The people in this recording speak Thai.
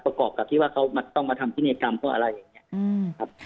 ประกอบกับที่ว่าเขาต้องมาทำพินัยกรรมเพื่ออะไรอย่างนี้ครับ